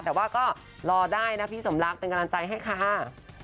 แต่ว่าก็รอได้นะพี่สมรักเป็นกำลังใจให้ค่ะ